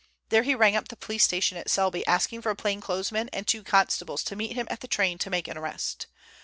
There he rang up the police station at Selby, asking for a plain clothes man and two constables to meet him at the train to make an arrest.